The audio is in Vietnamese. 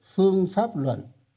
phương pháp luận